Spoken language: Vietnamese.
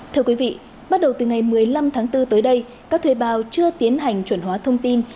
thưa quý vị bắt đầu từ ngày một mươi năm tháng bốn tới đây các thuê bào chưa tiến hành chuẩn hóa thông tin